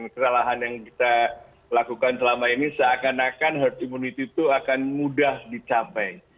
kesalahan yang kita lakukan selama ini seakan akan herd immunity itu akan mudah dicapai